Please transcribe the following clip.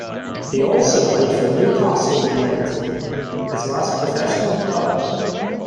He also played for Newcastle United, his last professional club.